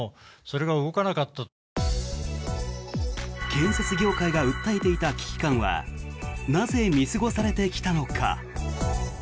建設業界が訴えていた危機感はなぜ見過ごされてきたのか。